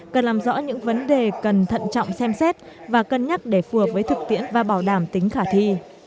cần làm rõ những vấn đề cần thận trọng xem xét và cân nhắc để phù hợp với thực tiễn và bảo đảm tính khả thi